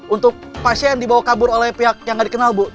untuk pasien dibawa kabur oleh pihak yang tidak dikenal bu